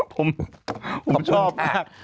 ผมชอบ